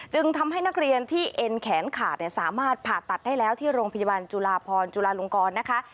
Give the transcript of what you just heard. ทำให้นักเรียนที่เอ็นแขนขาดสามารถผ่าตัดได้แล้วที่โรงพยาบาลจุลาพรจุลาลงกรนะคะ